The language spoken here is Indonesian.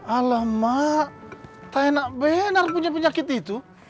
alamak tak enak benar punya penyakit itu